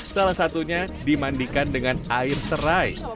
salah satunya dimandikan dengan air serai